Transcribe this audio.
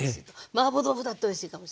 マーボー豆腐だっておいしいかもしれない。